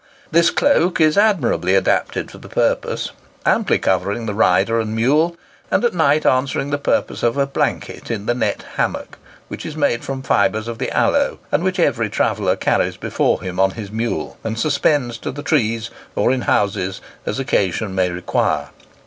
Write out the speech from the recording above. This cloak is admirably adapted for the purpose, amply covering the rider and mule, and at night answering the purpose of a blanket in the net hammock, which is made from fibres of the aloe, and which every traveller carries before him on his mule, and suspends to the trees or in houses, as occasion may require."